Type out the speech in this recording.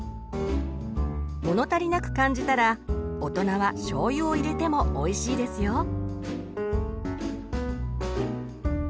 物足りなく感じたら大人はしょうゆを入れてもおいしいですよ。